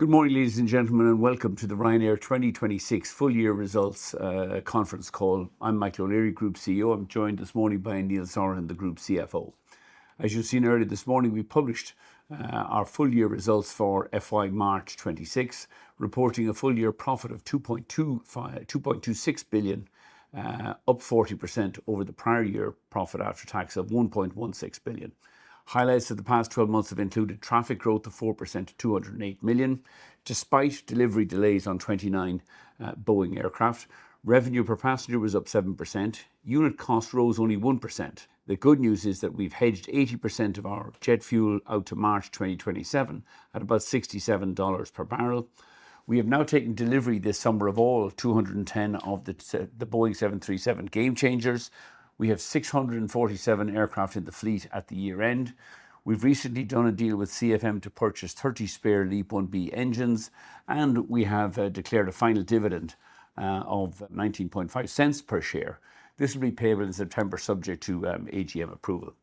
Good morning, ladies and gentlemen, and welcome to the Ryanair 2026 full year results conference call. I'm Michael O'Leary, Group CEO. I'm joined this morning by Neil Sorahan, the Group CFO. As you've seen earlier this morning, we published our full year results for FY March 2026, reporting a full year profit of 2.26 billion, up 40% over the prior year profit after tax of 1.16 billion. Highlights of the past 12 months have included traffic growth of 4% to 208 million despite delivery delays on 29 Boeing aircraft. Revenue per passenger was up 7%. Unit cost rose only 1%. The good news is that we've hedged 80% of our jet fuel out to March 2027 at about $67 per barrel. We have now taken delivery this summer of all 210 of the Boeing 737 Gamechangers. We have 647 aircraft in the fleet at the year-end. We've recently done a deal with CFM to purchase 30 spare LEAP-1B engines, and we have declared a final dividend of 0.195 per share. This will be payable in September subject to AGM approval.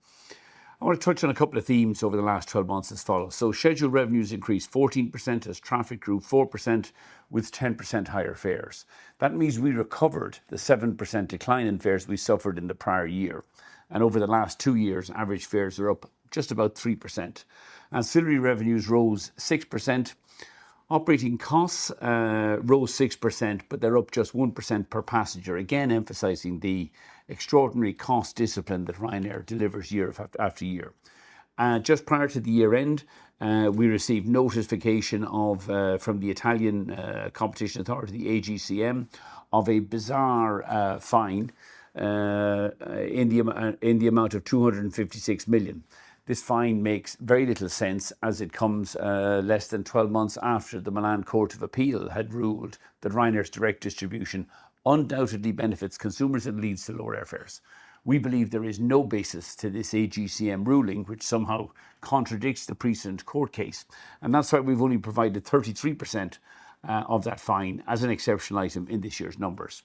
I want to touch on a couple of themes over the last 12 months as follows. Scheduled revenues increased 14% as traffic grew 4% with 10% higher fares. That means we recovered the 7% decline in fares we suffered in the prior year. Over the last two years, average fares are up just about 3%. Ancillary revenues rose 6%. Operating costs rose 6%, but they're up just 1% per passenger, again emphasizing the extraordinary cost discipline that Ryanair delivers year after year. Just prior to the year-end, we received notification from the Italian Competition Authority, the AGCM, of a bizarre fine in the amount of 256 million. This fine makes very little sense as it comes less than 12 months after the Milan Court of Appeal had ruled that Ryanair's direct distribution undoubtedly benefits consumers and leads to lower air fares. We believe there is no basis to this AGCM ruling, which somehow contradicts the precedent court case. That's why we've only provided 33% of that fine as an exceptional item in this year's numbers.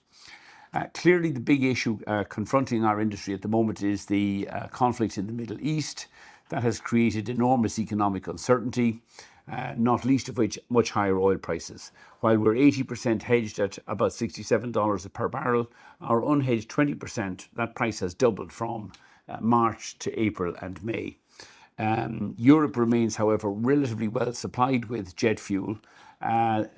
Clearly the big issue confronting our industry at the moment is the conflict in the Middle East. That has created enormous economic uncertainty, not least of which, much higher oil prices. While we're 80% hedged at about $67 per barrel, our unhedged 20%, that price has doubled from March to April and May. Europe remains, however, relatively well-supplied with jet fuel.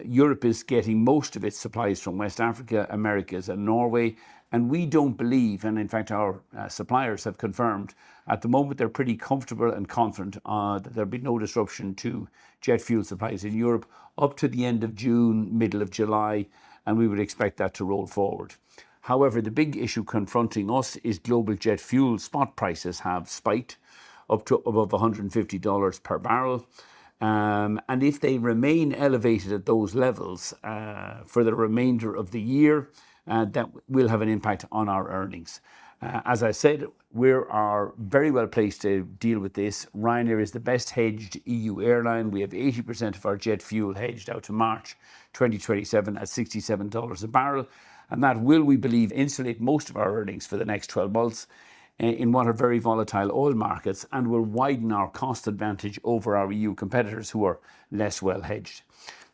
Europe is getting most of its supplies from West Africa, Americas, and Norway, and we don't believe, and in fact, our suppliers have confirmed, at the moment they're pretty comfortable and confident that there'll be no disruption to jet fuel supplies in Europe up to the end of June, middle of July, and we would expect that to roll forward. However, the big issue confronting us is global jet fuel spot prices have spiked up to above $150 per barrel. If they remain elevated at those levels for the remainder of the year, that will have an impact on our earnings. As I said, we are very well-placed to deal with this. Ryanair is the best-hedged EU airline. We have 80% of our jet fuel hedged out to March 2027 at $67 a barrel, and that will, we believe, insulate most of our earnings for the next 12 months in what are very volatile oil markets and will widen our cost advantage over our EU competitors who are less well-hedged.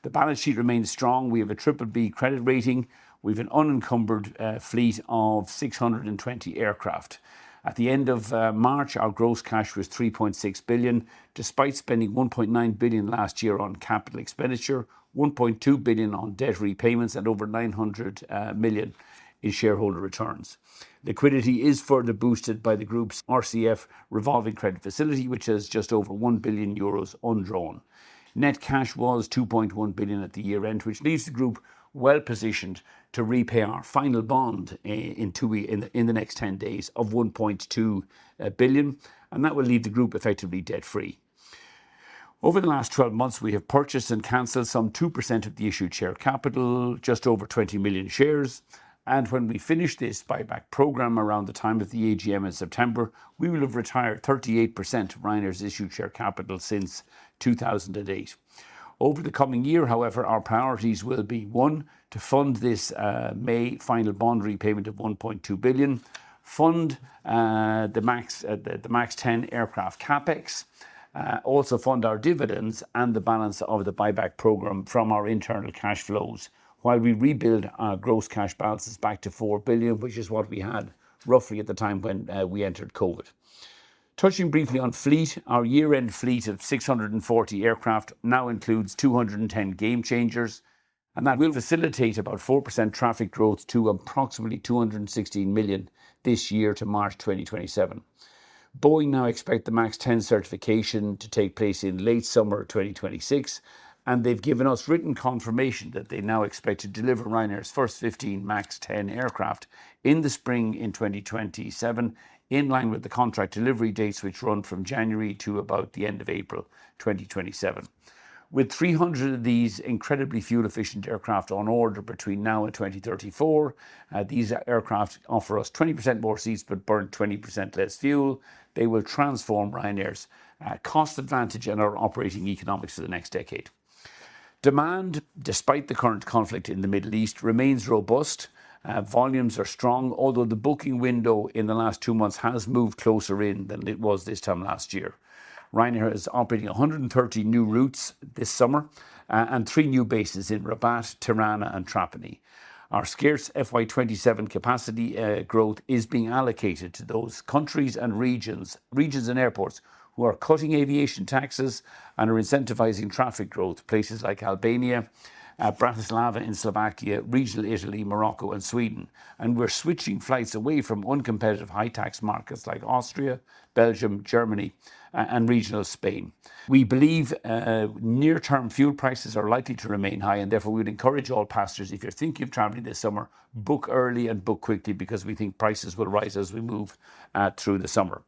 The balance sheet remains strong. We have a BBB credit rating. We've an unencumbered fleet of 620 aircraft. At the end of March, our gross cash was 3.6 billion, despite spending 1.9 billion last year on capital expenditure, 1.2 billion on debt repayments, and over 900 million in shareholder returns. Liquidity is further boosted by the group's RCF revolving credit facility, which has just over 1 billion euros undrawn. Net cash was 2.1 billion at the year-end, which leaves the group well-positioned to repay our final bond in the next 10 days of 1.2 billion, and that will leave the group effectively debt-free. Over the last 12 months, we have purchased and canceled some 2% of the issued share capital, just over 20 million shares. When we finish this buyback program around the time of the AGM in September, we will have retired 38% of Ryanair's issued share capital since 2008. Over the coming year, however, our priorities will be, one, to fund this May final bond repayment of 1.2 billion, fund the MAX, the MAX-10 aircraft CapEx, also fund our dividends and the balance of the buyback program from our internal cash flows while we rebuild our gross cash balances back to 4 billion, which is what we had roughly at the time when we entered COVID. Touching briefly on fleet, our year-end fleet of 640 aircraft now includes 210 Gamechangers, and that will facilitate about 4% traffic growth to approximately 216 million this year to March 2027. Boeing now expect the MAX-10 certification to take place in late summer 2026, and they've given us written confirmation that they now expect to deliver Ryanair's first 15 MAX-10 aircraft in the spring in 2027, in line with the contract delivery dates which run from January to about the end of April 2027. With 300 of these incredibly fuel-efficient aircraft on order between now and 2034, these aircraft offer us 20% more seats but burn 20% less fuel. They will transform Ryanair's cost advantage and our operating economics for the next decade. Demand, despite the current conflict in the Middle East, remains robust. Volumes are strong, although the booking window in the last two months has moved closer in than it was this time last year. Ryanair is operating 130 new routes this summer, and three new bases in Rabat, Tirana, and Trapani. Our scarce FY 2027 capacity growth is being allocated to those countries and regions and airports who are cutting aviation taxes and are incentivizing traffic growth. Places like Albania, Bratislava in Slovakia, regional Italy, Morocco, and Sweden. We're switching flights away from uncompetitive high tax markets like Austria, Belgium, Germany, and regional Spain. We believe near term fuel prices are likely to remain high and therefore we'd encourage all passengers, if you're thinking of traveling this summer, book early and book quickly because we think prices will rise as we move through the summer.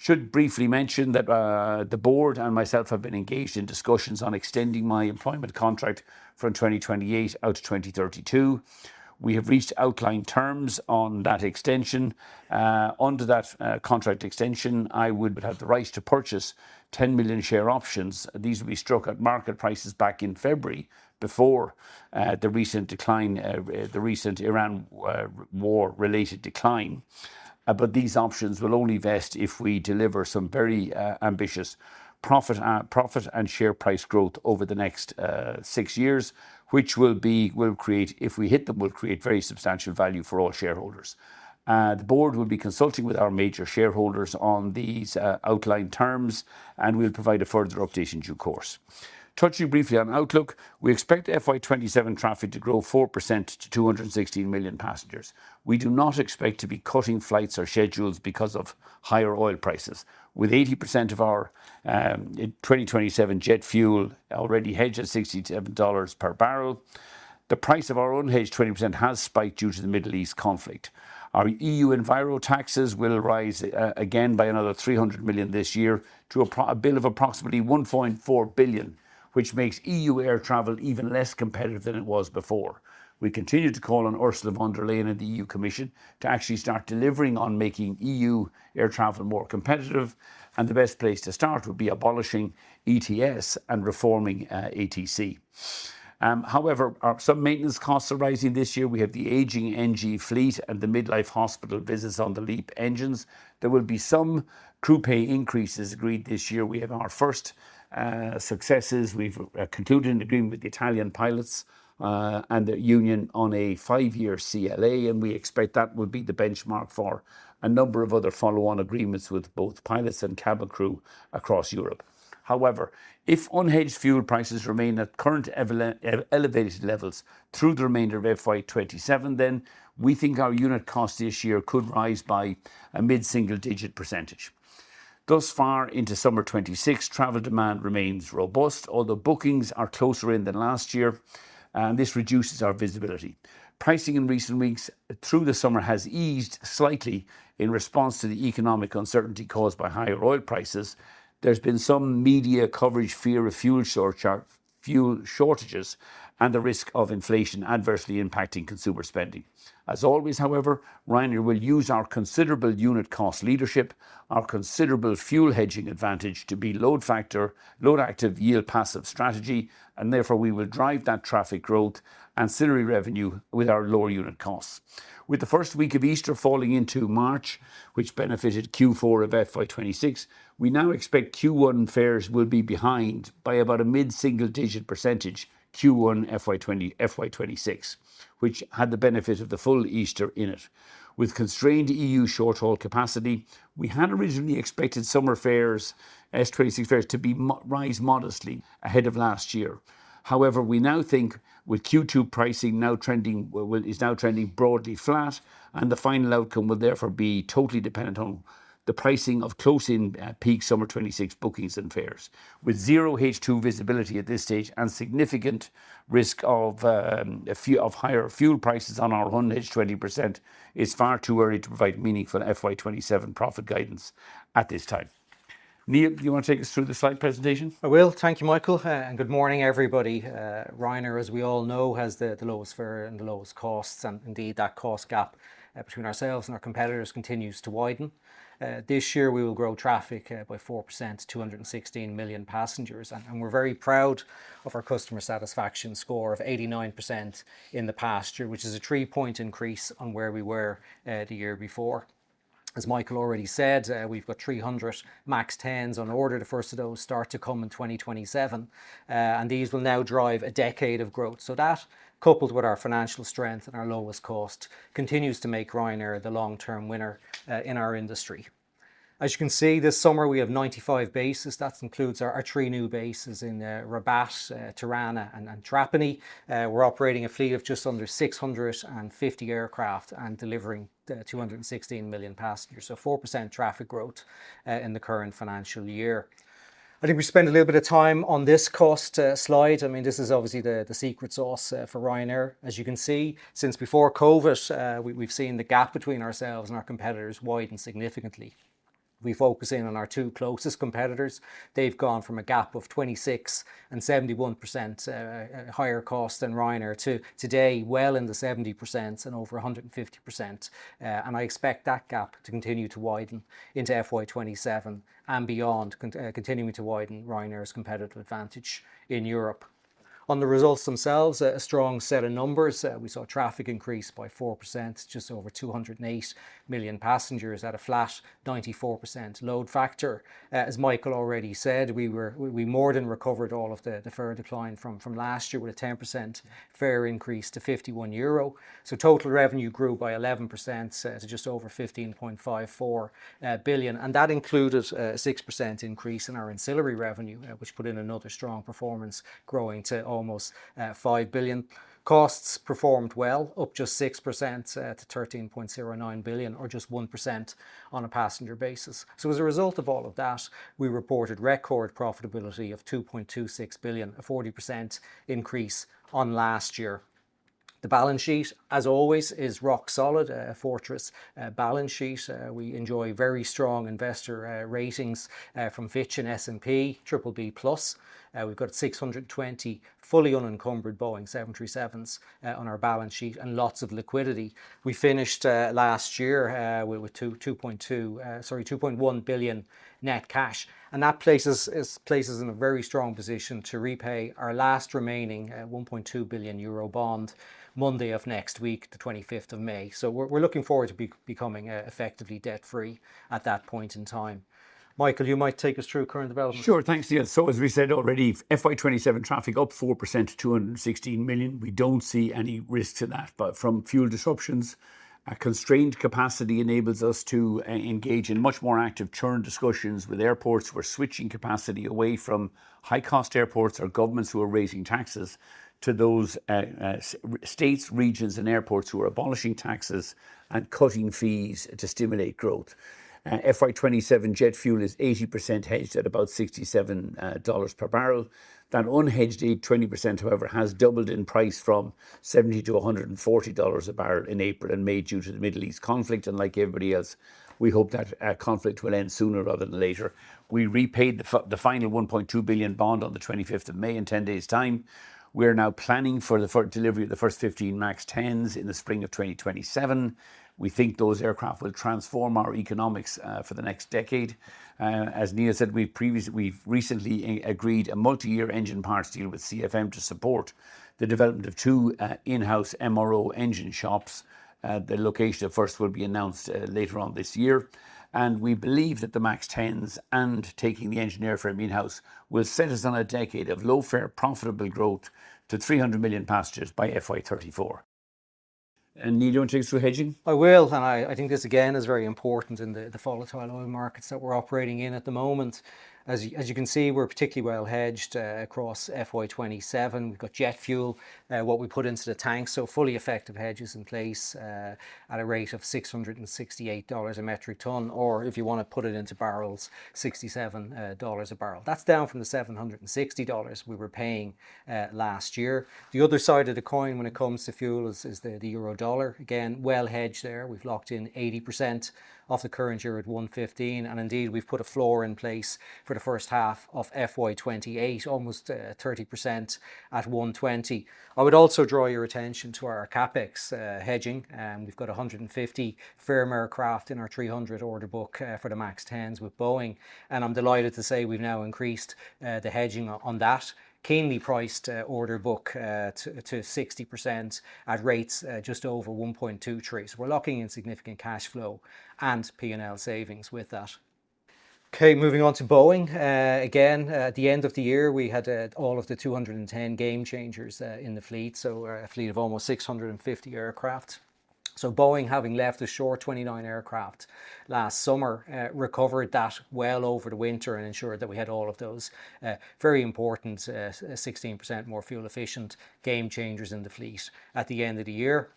Should briefly mention that the board and myself have been engaged in discussions on extending my employment contract from 2028 out to 2032. We have reached outline terms on that extension. Under that contract extension, I would have the right to purchase 10 million share options. These will be struck at market prices back in February before the recent decline, the recent Iran war related decline. These options will only vest if we deliver some very ambitious profit and share price growth over the next six years. Which will create, if we hit them, very substantial value for all shareholders. The board will be consulting with our major shareholders on these outline terms, and we will provide a further update in due course. Touching briefly on outlook, we expect FY 2027 traffic to grow 4% to 260 million passengers. We do not expect to be cutting flights or schedules because of higher oil prices. With 80% of our 2027 jet fuel already hedged at $67 per barrel, the price of our unhedged 20% has spiked due to the Middle East conflict. Our EU enviro taxes will rise again by another 300 million this year to a bill of approximately 1.4 billion, which makes EU air travel even less competitive than it was before. We continue to call on Ursula von der Leyen of the European Commission to actually start delivering on making EU air travel more competitive, the best place to start would be abolishing ETS and reforming ATC. However, some maintenance costs are rising this year. We have the aging NG fleet and the midlife hospital visits on the LEAP engines. There will be some crew pay increases agreed this year. We have our first successes. We've concluded an agreement with the Italian pilots and their union on a five-year CLA, and we expect that would be the benchmark for a number of other follow-on agreements with both pilots and cabin crew across Europe. However, if unhedged fuel prices remain at current elevated levels through the remainder of FY 2027, then we think our unit cost this year could rise by a mid-single-digit percentage. Thus far into summer 2026, travel demand remains robust, although bookings are closer in than last year, and this reduces our visibility. Pricing in recent weeks through the summer has eased slightly in response to the economic uncertainty caused by higher oil prices. There's been some media coverage fear of fuel shortages and the risk of inflation adversely impacting consumer spending. As always, Ryanair will use our considerable unit cost leadership, our considerable fuel hedging advantage to be load factor active, yield passive strategy, therefore we will drive that traffic growth Ancillary revenue with our lower unit costs. With the first week of Easter falling into March, which benefited Q4 of FY 2026, we now expect Q1 fares will be behind by about a mid-single-digit percentage, Q1 FY 2026, which had the benefit of the full Easter in it. With constrained EU short-haul capacity, we had originally expected summer fares, [S] 2026 fares, to rise modestly ahead of last year. We now think with Q2 pricing, well, is now trending broadly flat, the final outcome will therefore be totally dependent on the pricing of close-in peak summer 2026 bookings and fares. With zero H2 visibility at this stage and significant risk of higher fuel prices on our unhedged 20%, it's far too early to provide meaningful FY 2027 profit guidance at this time. Neil, do you wanna take us through the slide presentation? I will. Thank you, Michael, good morning, everybody. Ryanair, as we all know, has the lowest fare and the lowest costs, indeed that cost gap between ourselves and our competitors continues to widen. This year we will grow traffic by 4% to 216 million passengers. We're very proud of our customer satisfaction score of 89% in the past year, which is a 3-point increase on where we were the year before. As Michael already said, we've got 300 MAX-10s on order. The first of those start to come in 2027. These will now drive a decade of growth. That, coupled with our financial strength and our lowest cost, continues to make Ryanair the long-term winner in our industry. As you can see, this summer we have 95 bases. That includes our three new bases in Rabat, Tirana, and Trapani. We're operating a fleet of just under 650 aircraft and delivering 216 million passengers. 4% traffic growth in the current financial year. I think we spent a little bit of time on this cost slide. I mean, this is obviously the secret sauce for Ryanair. As you can see, since before COVID, we've seen the gap between ourselves and our competitors widen significantly. We focus in on our two closest competitors. They've gone from a gap of 26% and 71% higher cost than Ryanair to today, well in the 70%s and over 150%. And I expect that gap to continue to widen into FY 2027 and beyond, continuing to widen Ryanair's competitive advantage in Europe. On the results themselves, a strong set of numbers. We saw traffic increase by 4%, just over 208 million passengers at a flat 94% load factor. As Michael already said, we more than recovered all of the fare decline from last year with a 10% fare increase to 51 euro. Total revenue grew by 11% to just over 15.54 billion, and that included a 6% increase in our Ancillary revenue, which put in another strong performance growing to almost 5 billion. Costs performed well, up just 6% to 13.09 billion or just 1% on a passenger basis. As a result of all of that, we reported record profitability of 2.26 billion, a 40% increase on last year. The balance sheet, as always, is rock solid, a fortress balance sheet. We enjoy very strong investor ratings from Fitch and S&P, BBB+. We've got 620 fully unencumbered Boeing 737s on our balance sheet and lots of liquidity. We finished last year with 2.1 billion net cash, and that places us in a very strong position to repay our last remaining 1.2 billion euro bond Monday of next week, the 25th of May. We're looking forward to becoming effectively debt-free at that point in time. Michael, you might take us through current developments. Sure. Thanks, Neil. As we said already, FY 2027 traffic up 4% to 216 million. We don't see any risk to that apart from fuel disruptions. A constrained capacity enables us to engage in much more active churn discussions with airports. We're switching capacity away from high-cost airports or governments who are raising taxes to those states, regions, and airports who are abolishing taxes and cutting fees to stimulate growth. FY 2027 jet fuel is 80% hedged at about $67 per barrel. That unhedged 20%, however, has doubled in price from $70 to $140 per barrel in April and May due to the Middle East conflict, and like everybody else, we hope that conflict will end sooner rather than later. We repaid the final 1.2 billion bond on the 25th of May in 10 days' time. We're now planning for the delivery of the first 15 MAX-10s in the spring of 2027. We think those aircraft will transform our economics for the next decade. As Neil said, we've recently agreed a multi-year engine parts deal with CFM to support the development of two in-house MRO engine shops. The location of first will be announced later on this year. We believe that the MAX-10s and taking the engineering in-house will set us on a decade of low-fare profitable growth to 300 million passengers by FY 2034. Neil, do you want to take us through hedging? I will, I think this again is very important in the volatile oil markets that we're operating in at the moment. As you can see, we're particularly well-hedged across FY 2027. We've got jet fuel, what we put into the tanks, so fully effective hedges in place, at a rate of $668 a metric tonne or, if you wanna put it into barrels, $67 a barrel. That's down from the $760 we were paying last year. The other side of the coin when it comes to fuel is the euro/dollar. Again, well hedged there. We've locked in 80% of the current year at 1.15, and indeed, we've put a floor in place for the first half of FY 2028, almost 30% at 1.20. I would also draw your attention to our CapEx hedging. We've got 150 firm aircraft in our 300 order book for the MAX-10s with Boeing, and I'm delighted to say we've now increased the hedging on that keenly priced order book to 60% at rates just over 1.23. We're locking in significant cash flow and P&L savings with that. Moving on to Boeing. Again, at the end of the year, we had all of the 210 game changers in the fleet, so a fleet of almost 650 aircraft. Boeing, having left the shore 29 aircraft last summer, recovered that well over the winter and ensured that we had all of those very important 16% more fuel efficient game changers in the fleet at the end of the year.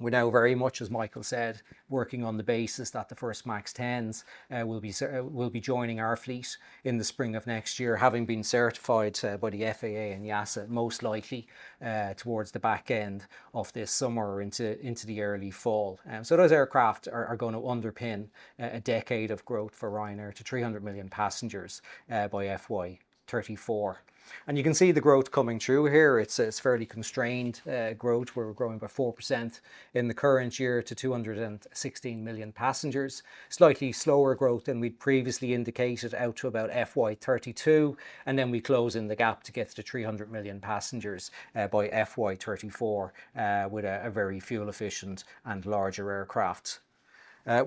We're now very much, as Michael said, working on the basis that the first MAX-10s will be joining our fleet in the spring of next year, having been certified by the FAA and the EASA most likely towards the back end of this summer or into the early fall. Those aircraft are gonna underpin a decade of growth for Ryanair to 300 million passengers by FY 2034. You can see the growth coming through here. It's fairly constrained growth. We're growing by 4% in the current year to 216 million passengers. Slightly slower growth than we'd previously indicated out to about FY 2032, and then we close in the gap to get to 300 million passengers by FY 2034 with a very fuel efficient and larger aircraft.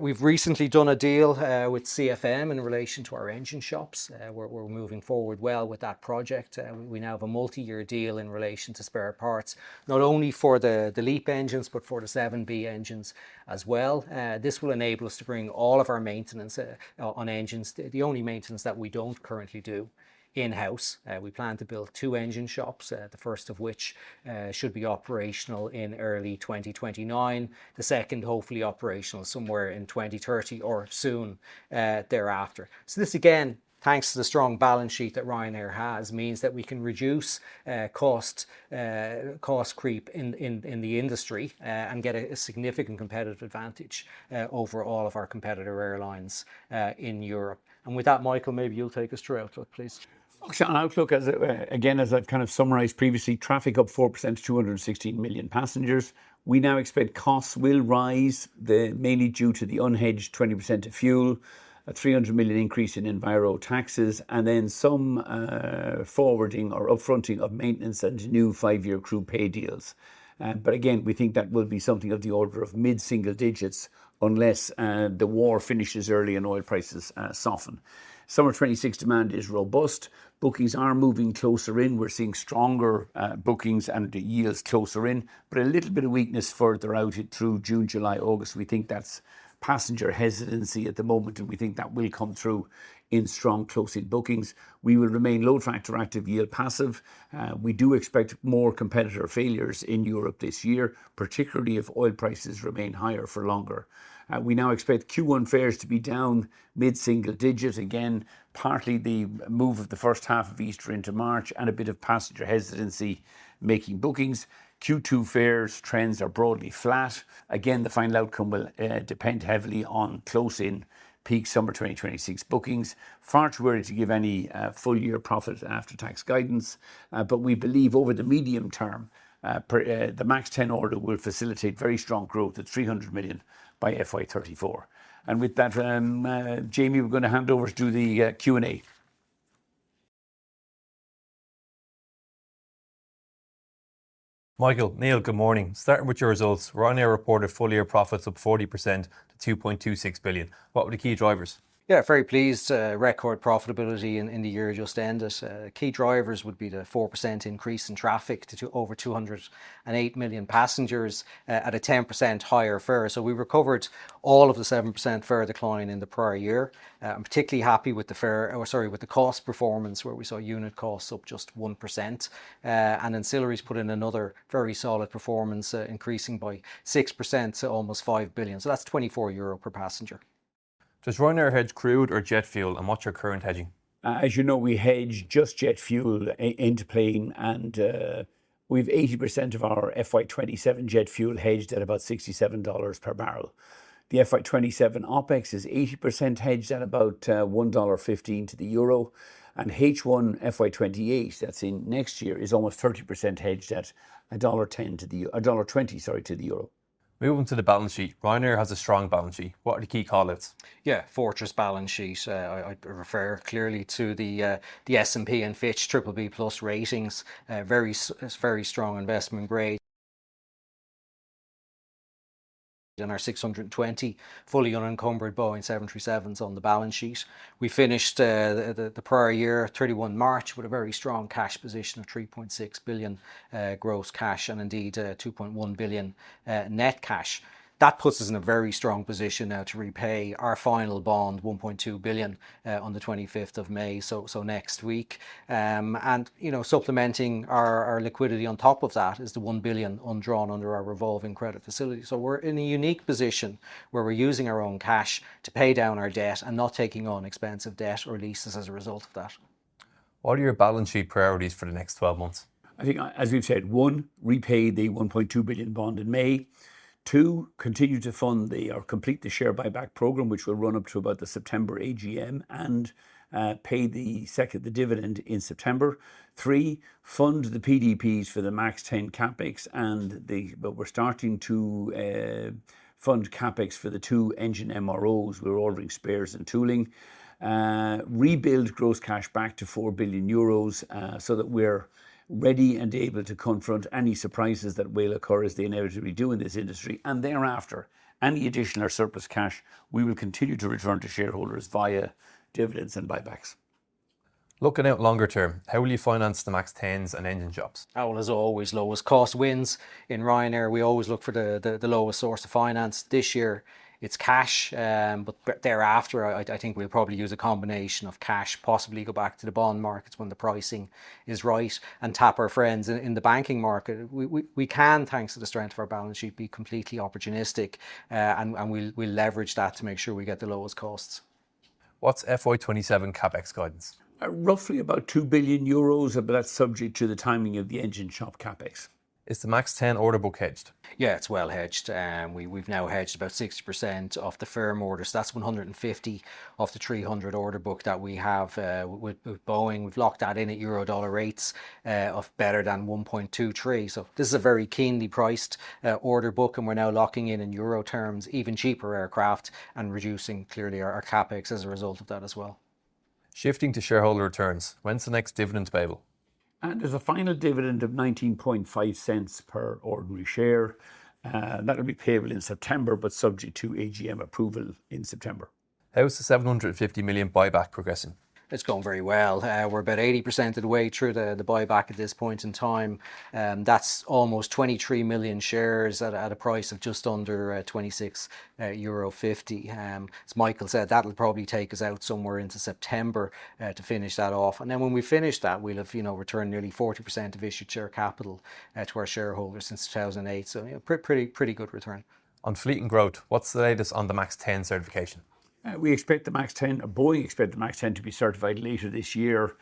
We've recently done a deal with CFM in relation to our engine shops. We're moving forward well with that project. We now have a multi-year deal in relation to spare parts, not only for the LEAP engines, but for the 7B engines as well. This will enable us to bring all of our maintenance on engines, the only maintenance that we don't currently do in-house. We plan to build two engine shops, the first of which should be operational in early 2029. The second hopefully operational somewhere in 2030 or soon thereafter. This again, thanks to the strong balance sheet that Ryanair has, means that we can reduce costs, cost creep in the industry, and get a significant competitive advantage over all of our competitor airlines in Europe. With that, Michael, maybe you'll take us through outlook, please. Sure. Outlook as, again, as I've kind of summarized previously, traffic up 4% to 216 million passengers. We now expect costs will rise, mainly due to the unhedged 20% of fuel, a 300 million increase in enviro taxes, then some forwarding or up-fronting of maintenance and new five-year crew pay deals. Again, we think that will be something of the order of mid-single-digits unless the war finishes early and oil prices soften. Summer 2026 demand is robust. Bookings are moving closer in. We're seeing stronger bookings and the yields closer in, a little bit of weakness further out through June, July, August. We think that's passenger hesitancy at the moment, we think that will come through in strong close-in bookings. We will remain load factor active, yield passive. We do expect more competitor failures in Europe this year, particularly if oil prices remain higher for longer. We now expect Q1 fares to be down mid-single-digit, again, partly the move of the first half of Easter into March and a bit of passenger hesitancy making bookings. Q2 fares trends are broadly flat. Again, the final outcome will depend heavily on close-in peak summer 2026 bookings. Far too early to give any full-year profit after tax guidance. But we believe over the medium term, per the MAX-10 order will facilitate very strong growth at 300 million by FY 2034. With that, Jamie, we're going to hand over to the Q&A. Michael, Neil, good morning. Starting with your results, Ryanair reported full-year profits up 40% to 2.26 billion. What were the key drivers? Very pleased. Record profitability in the year just ended. Key drivers would be the 4% increase in traffic to over 208 million passengers at a 10% higher fare. We recovered all of the 7% fare decline in the prior year. I'm particularly happy with the cost performance where we saw unit costs up just 1%. Ancillaries put in another very solid performance, increasing by 6%, almost 5 billion. That's 24 euro per passenger. Does Ryanair hedge crude or jet fuel, and what's your current hedging? As you know, we hedge just jet fuel into plane, and we've 80% of our FY 2027 jet fuel hedged at about $67 per barrel. The FY 2027 OpEx is 80% hedged at about EUR 1.15 to the euro, and H1 FY 2028, that's in next year, is almost 30% hedged at a EUR 1.10 to a EUR 1.20, sorry, to the euro. Moving to the balance sheet. Ryanair has a strong balance sheet. What are the key call outs? Yeah. Fortress balance sheet. I refer clearly to the S&P and Fitch BBB+ ratings. Very strong investment grade and our 620 fully unencumbered Boeing 737s on the balance sheet. We finished the prior year, 31 March, with a very strong cash position of 3.6 billion gross cash and indeed, 2.1 billion net cash. That puts us in a very strong position now to repay our final bond, 1.2 billion, on the 25th of May, so next week. You know, supplementing our liquidity on top of that is the 1 billion undrawn under our revolving credit facility. We're in a unique position where we're using our own cash to pay down our debt and not taking on expensive debt or leases as a result of that. What are your balance sheet priorities for the next 12 months? I think, as we've said, one, repay the 1.2 billion bond in May. Two, continue to fund or complete the share buyback program, which will run up to about the September AGM, pay the second dividend in September. Three, fund the PDPs for the MAX-10 CapEx, fund CapEx for the two engine MROs. We're ordering spares and tooling. Rebuild gross cash back to 4 billion euros, so that we're ready and able to confront any surprises that will occur as they inevitably do in this industry. Thereafter, any additional surplus cash, we will continue to return to shareholders via dividends and buybacks. Looking out longer term, how will you finance the MAX-10s and engine shops? Well, as always, lowest cost wins. In Ryanair, we always look for the lowest source of finance. This year, it's cash. Thereafter, I think we'll probably use a combination of cash, possibly go back to the bond markets when the pricing is right and tap our friends in the banking market. We can, thanks to the strength of our balance sheet, be completely opportunistic. We'll leverage that to make sure we get the lowest costs. What's FY 2027 CapEx guidance? Roughly about 2 billion euros, but that's subject to the timing of the engine shop CapEx. Is the MAX-10 order book hedged? Yeah, it's well hedged. We've now hedged about 60% of the firm orders. That's 150 of the 300 order book that we have with Boeing. We've locked that in at euro/dollar rates of better than 1.23. This is a very keenly priced order book, and we're now locking in in EUR terms even cheaper aircraft and reducing clearly our CapEx as a result of that as well. Shifting to shareholder returns, when's the next dividend payable? There's a final dividend of 0.195 per ordinary share. That'll be payable in September, subject to AGM approval in September. How is the 750 million buyback progressing? It's going very well. We're about 80% of the way through the buyback at this point in time. That's almost 23 million shares at a price of just under 26.50 euro. As Michael said, that'll probably take us out somewhere into September to finish that off. When we finish that, we'll have, you know, returned nearly 40% of issued share capital to our shareholders since 2008. You know, pretty good return. On fleet and growth, what's the latest on the MAX-10 certification? Boeing expect the MAX-10 to be certified later this year.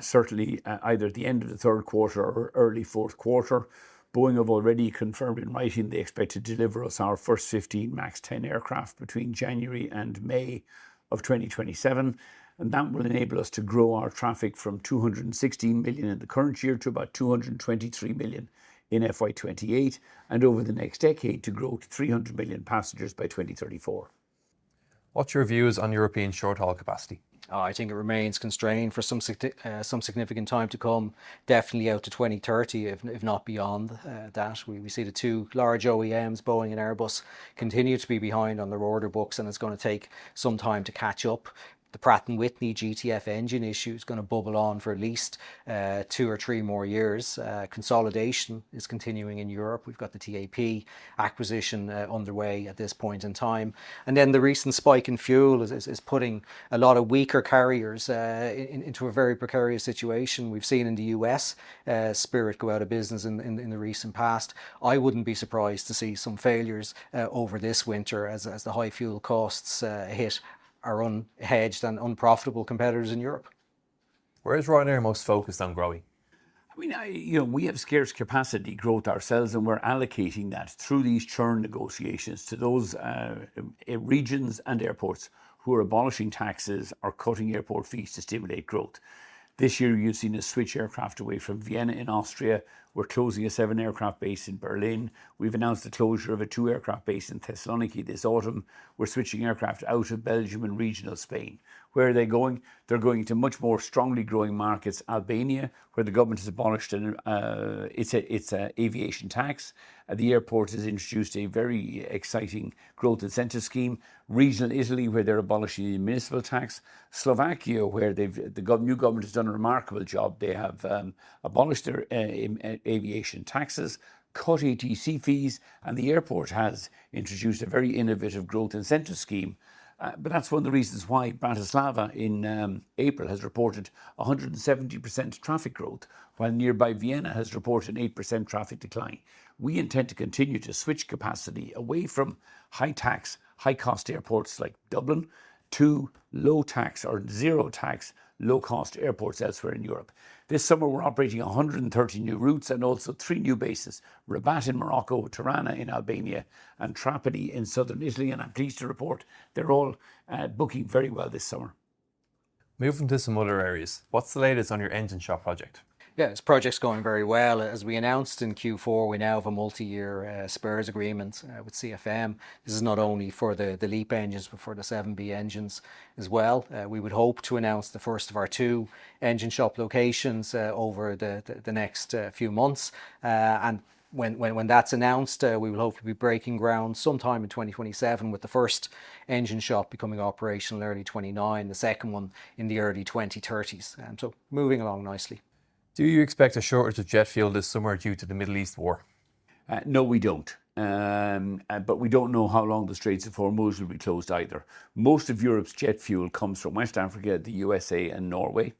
Certainly, either at the end of the third quarter or early fourth quarter. Boeing have already confirmed in writing they expect to deliver us our first 15 MAX-10 aircraft between January and May of 2027. That will enable us to grow our traffic from 216 million in the current year to about 223 million in FY 2028, and over the next decade to grow to 300 million passengers by 2034. What's your views on European short-haul capacity? Oh, I think it remains constrained for some significant time to come, definitely out to 2030 if not beyond that. We see the two large OEMs, Boeing and Airbus, continue to be behind on their order books, and it's gonna take some time to catch up. The Pratt & Whitney GTF engine issue is gonna bubble on for at least two or three more years. Consolidation is continuing in Europe. We've got the TAP acquisition underway at this point in time. The recent spike in fuel is putting a lot of weaker carriers into a very precarious situation. We've seen in the U.S., Spirit go out of business in the recent past. I wouldn't be surprised to see some failures, over this winter as the high fuel costs hit our unhedged and unprofitable competitors in Europe. Where is Ryanair most focused on growing? I mean, I you know, we have scarce capacity growth ourselves, and we're allocating that through these churn negotiations to those regions and airports who are abolishing taxes or cutting airport fees to stimulate growth. This year you've seen us switch aircraft away from Vienna in Austria. We're closing a seven aircraft base in Berlin. We've announced the closure of a two aircraft base in Thessaloniki this autumn. We're switching aircraft out of Belgium and regional Spain. Where are they going? They're going to much more strongly growing markets. Albania, where the government has abolished an, it's a aviation tax. The airport has introduced a very exciting growth incentive scheme. Regional Italy, where they're abolishing the municipal tax. Slovakia, where they've new government has done a remarkable job. They have abolished their aviation taxes, cut ATC fees, and the airport has introduced a very innovative growth incentive scheme. That's one of the reasons why Bratislava in April has reported 170% traffic growth while nearby Vienna has reported 8% traffic decline. We intend to continue to switch capacity away from high tax, high cost airports like Dublin to low tax or zero tax low cost airports elsewhere in Europe. This summer we're operating 130 new routes and also three new bases. Rabat in Morocco, Tirana in Albania and Trapani in Southern Italy, I'm pleased to report they're all booking very well this summer. Moving to some other areas, what's the latest on your engine shop project? Yeah. This project's going very well. As we announced in Q4, we now have a multi-year spares agreement with CFM. This is not only for the LEAP engines, but for the 7B engines as well. We would hope to announce the first of our two engine shop locations over the next few months. When that's announced, we will hopefully be breaking ground sometime in 2027 with the first engine shop becoming operational early 2029, the second one in the early 2030s. Moving along nicely. Do you expect a shortage of jet fuel this summer due to the Middle East war? No, we don't. We don't know how long the Straits of Hormuz will be closed either. Most of Europe's jet fuel comes from West Africa, the U.S.A. and Norway.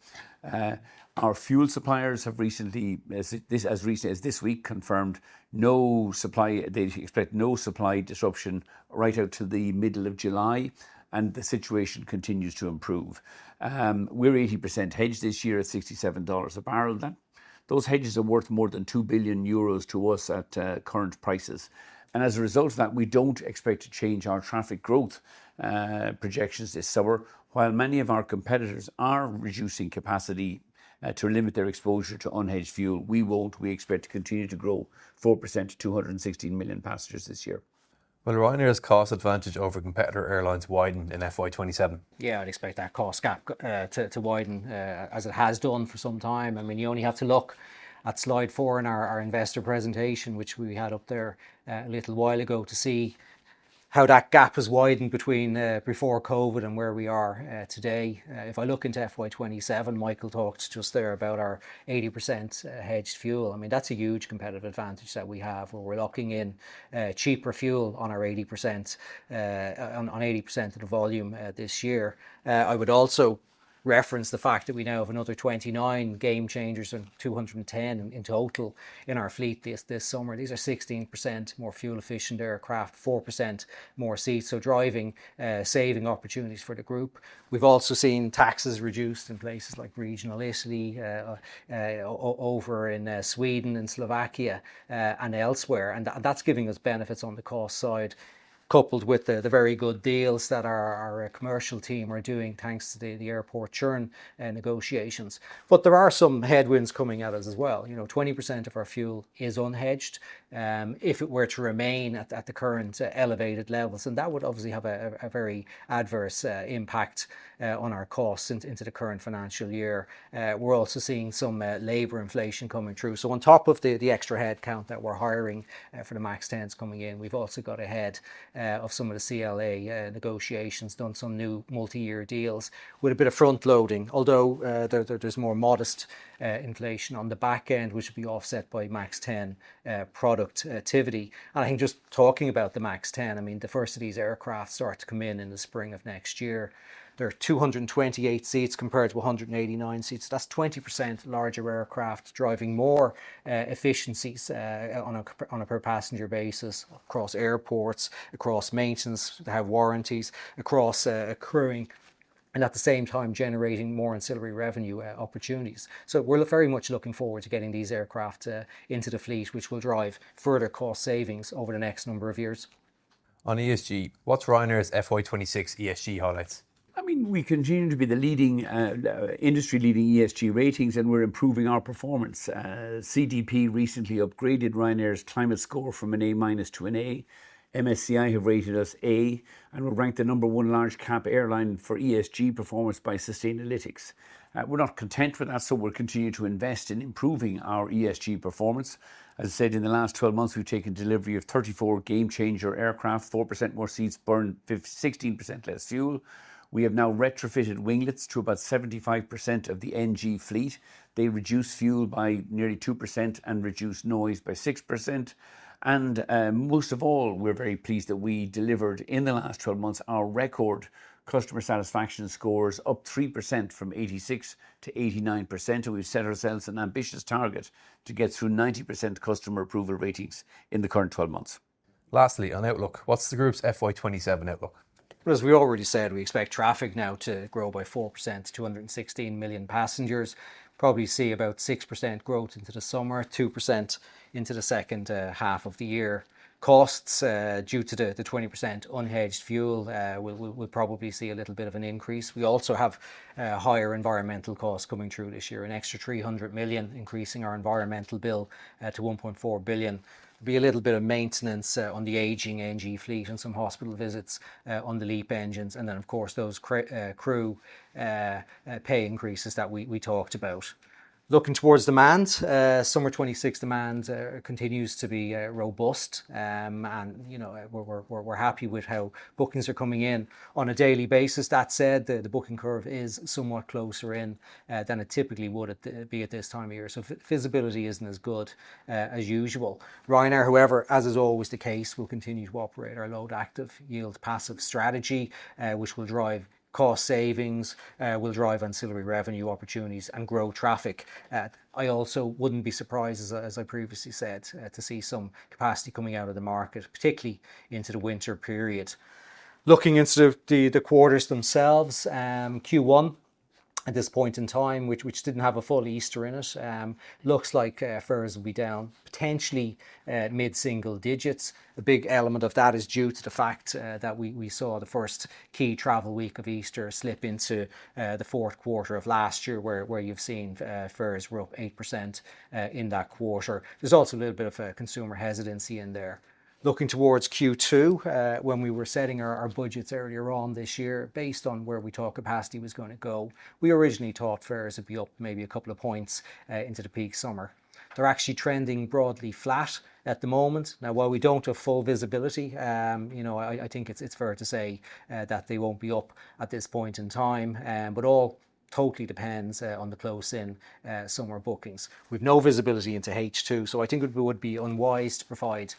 Our fuel suppliers have recently as this week confirmed no supply disruption right out to the middle of July, and the situation continues to improve. We're 80% hedged this year at $67 a barrel. Those hedges are worth more than 2 billion euros to us at current prices. As a result of that, we don't expect to change our traffic growth projections this summer. While many of our competitors are reducing capacity to limit their exposure to unhedged fuel, we won't. We expect to continue to grow 4% to 216 million passengers this year. Will Ryanair's cost advantage over competitor airlines widen in FY 2027? Yeah, I'd expect that cost gap to widen as it has done for some time. I mean, you only have to look at slide four in our investor presentation, which we had up there a little while ago, to see how that gap has widened between before COVID and where we are today. If I look into FY 2027, Michael talked just there about our 80% hedged fuel. I mean, that's a huge competitive advantage that we have where we're locking in cheaper fuel on our 80% on 80% of the volume this year. I would also reference the fact that we now have another 29 Gamechangers and 210 in total in our fleet this summer. These are 16% more fuel efficient aircraft, 4% more seats, so driving saving opportunities for the group. We've also seen taxes reduced in places like regional Italy, over in Sweden and Slovakia, and elsewhere. That's giving us benefits on the cost side coupled with the very good deals that our commercial team are doing thanks to the airport churn negotiations. There are some headwinds coming at us as well. You know, 20% of our fuel is unhedged. If it were to remain at the current elevated levels, that would obviously have a very adverse impact on our costs into the current financial year. We're also seeing some labor inflation coming through. On top of the extra head count that we're hiring for the MAX-10s coming in, we've also got ahead of some of the CLA negotiations, done some new multi-year deals with a bit of front loading. Although there's more modest inflation on the back end, which will be offset by MAX-10 productivity. I think just talking about the MAX-10, I mean, the first of these aircraft start to come in in the spring of next year. They're 228 seats compared to 189 seats. That's 20% larger aircraft driving more efficiencies on a per passenger basis across airports, across maintenance. They have warranties. Across crewing. And at the same time, generating more ancillary revenue opportunities. We're very much looking forward to getting these aircraft into the fleet, which will drive further cost savings over the next number of years. On ESG, what's Ryanair's FY 2026 ESG highlights? I mean, we continue to be the leading, industry-leading ESG ratings, and we're improving our performance. CDP recently upgraded Ryanair's climate score from an A- to an A. MSCI have rated us A, and we're ranked the number one large Cap airline for ESG performance by Sustainalytics. We're not content with that, so we'll continue to invest in improving our ESG performance. As I said, in the last 12 months we've taken delivery of 34 game-changer aircraft, 4% more seats, burn 16% less fuel. We have now retrofitted winglets to about 75% of the NG fleet. They reduce fuel by nearly 2% and reduce noise by 6%. Most of all, we're very pleased that we delivered, in the last 12 months, our record customer satisfaction scores up 3% from 86% to 89%, and we've set ourselves an ambitious target to get to 90% customer approval ratings in the current 12 months. Lastly, on outlook, what's the group's FY 2027 outlook? As we already said, we expect traffic now to grow by 4%, 216 million passengers. Probably see about 6% growth into the summer, 2% into the second half of the year. Costs, due to the 20% unhedged fuel, we'll probably see a little bit of an increase. We also have higher environmental costs coming through this year, an extra 300 million increasing our environmental bill to 1.4 billion. Be a little bit of maintenance on the aging NG fleet and some hospital visits on the LEAP engines, and then of course those crew pay increases that we talked about. Looking towards demand, summer 2026 demand continues to be robust. You know, we're happy with how bookings are coming in on a daily basis. That said, the booking curve is somewhat closer in than it typically would be at this time of year, so visibility isn't as good as usual. Ryanair, however, as is always the case, will continue to operate our load factor active, yield passive strategy, which will drive cost savings, will drive ancillary revenue opportunities and grow traffic. I also wouldn't be surprised as I previously said, to see some capacity coming out of the market, particularly into the winter period. Looking into the quarters themselves, Q1 at this point in time, which didn't have a full Easter in it, looks like fares will be down potentially mid-single digits. A big element of that is due to the fact that we saw the first key travel week of Easter slip into the fourth quarter of last year, where you've seen fares were up 8% in that quarter. There's also a little bit of a consumer hesitancy in there. Looking towards Q2, when we were setting our budgets earlier on this year based on where we thought capacity was gonna go, we originally thought fares would be up maybe a couple of points into the peak summer. They're actually trending broadly flat at the moment. Now, while we don't have full visibility, you know, I think it's fair to say that they won't be up at this point in time. All totally depends on the close-in summer bookings. We've no visibility into H2, I think it would be unwise to provide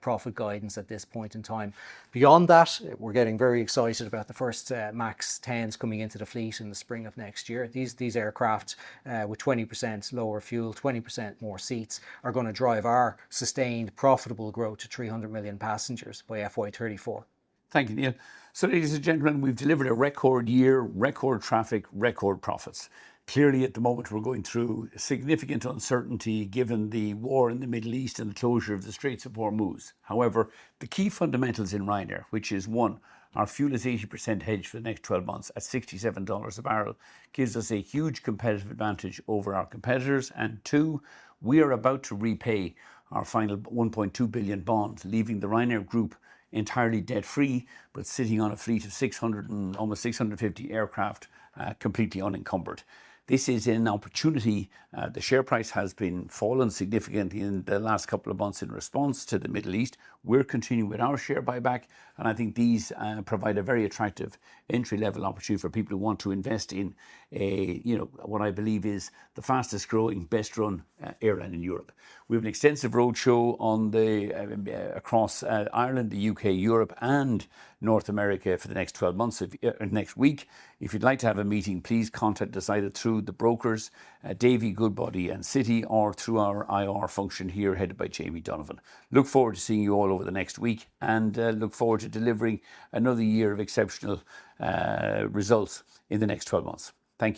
profit guidance at this point in time. Beyond that, we're getting very excited about the first MAX-10s coming into the fleet in the spring of next year. These aircraft with 20% lower fuel, 20% more seats, are gonna drive our sustained profitable growth to 300 million passengers by FY 2034. Thank you, Neil. Ladies and gentlemen, we've delivered a record year, record traffic, record profits. Clearly at the moment we're going through significant uncertainty given the war in the Middle East and the closure of the Straits of Hormuz. The key fundamentals in Ryanair, which is, one, our fuel is 80% hedged for the next 12 months at $67 a barrel, gives us a huge competitive advantage over our competitors. Two, we are about to repay our final 1.2 billion bonds, leaving the Ryanair Group entirely debt-free, sitting on a fleet of 600 and almost 650 aircraft, completely unencumbered. This is an opportunity. The share price has been falling significantly in the last couple of months in response to the Middle East. We're continuing with our share buyback, and I think these provide a very attractive entry-level opportunity for people who want to invest in a, you know, what I believe is the fastest-growing, best-run airline in Europe. We have an extensive road show on the across Ireland, the U.K., Europe and North America for the next 12 months next week. If you'd like to have a meeting, please contact us either through the brokers at Davy, Goodbody and Citi or through our IR function here headed by Jamie Donovan. Look forward to seeing you all over the next week, and look forward to delivering another year of exceptional results in the next 12 months. Thank you.